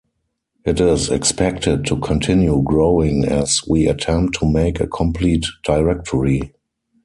It is expected to continue growing as we attempt to make a complete directory.